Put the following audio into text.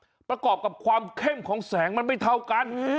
ประกอบกับความเข้มของแสงมันไม่เท่ากัน